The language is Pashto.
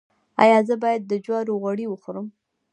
ایا زه باید د جوارو غوړي وخورم؟